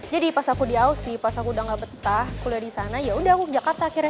jadi pas aku di ausi pas aku udah gak betah kuliah di sana yaudah aku ke jakarta akhirnya